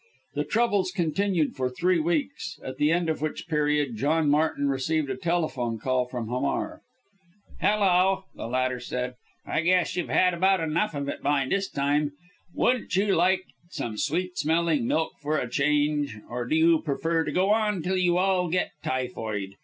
The troubles continued for three weeks, at the end of which period John Martin received a telephone call from Hamar. "Hullo!" the latter said, "I guess you've had about enough of it by this time. Wouldn't you like some sweet smelling milk for a change, or do you prefer to go on till you all get typhoid?